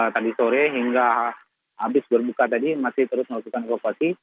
tadi sore hingga habis berbuka tadi masih terus melakukan evakuasi